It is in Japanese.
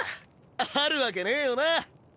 あるわけねぇよな。